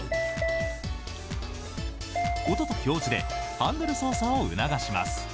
音と表示でハンドル操作を促します。